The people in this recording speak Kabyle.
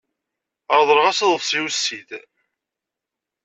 Reḍleɣ-as aḍebsi ussid.